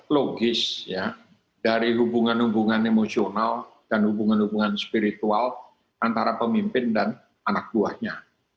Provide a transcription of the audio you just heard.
logis dari hubungan hubungan emosional dan hubungan hubungan spiritual antara pemimpin dan anak buahnya